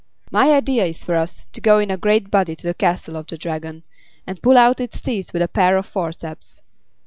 My idea is for us to go in a great body to the castle of the Dragon, and pull out its teeth with a pair of forceps.